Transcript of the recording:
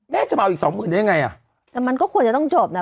จะมาเอาอีกสองหมื่นได้ยังไงอ่ะแต่มันก็ควรจะต้องจบนะ